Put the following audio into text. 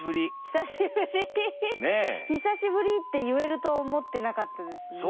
「久しぶり」って言えると思ってなかったですね。